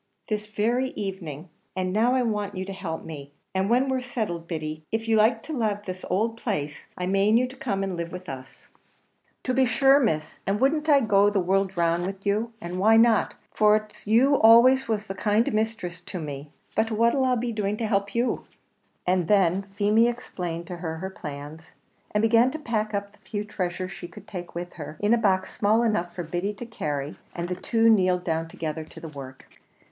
"This very evening; and now I want you to help me, and when we're settled, Biddy, if you like to lave this ould place, I mane you to come and live with us." "To be shure, Miss; and wouldn't I go the world round wid you? and why not? for it's you was always the kind misthress to me. But what'll I be doing to help you?" And then Feemy explained to her her plans, and began to pack up the few treasures she could take with her, in a box small enough for Biddy to carry; and the two kneeled down together to the work.